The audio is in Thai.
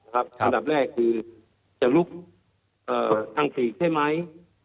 ครับสำหรับแรกคือจะลุกเอ่อทางฝีใช่ไหม